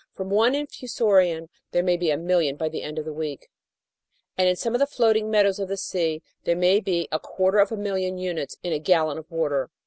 From one infusorian there may be a million by the end of a week, and in some of the floating meadows of the sea there may be a quarter of a million units in a gallon of water.